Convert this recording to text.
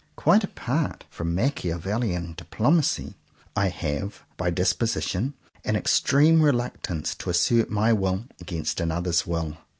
Quite apart from Machiavellian diplomacy, I have, by dis position, an extreme reluctance to assert my will against another's will.